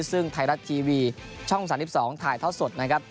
ซึ่งไทยรัฐทีวีช่อง๓๒ถ่ายท่อสดนะครับ